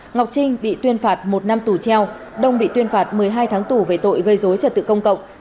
ngọc trinh bị tuyên phạt một năm tù treo đông bị tuyên phạt một mươi hai tháng tù về tội gây dối trật tự công cộng